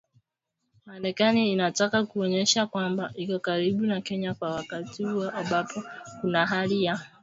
Marekani inataka kuonyesha kwamba iko karibu na Kenya kwa wakati huu ambapo kuna hali ya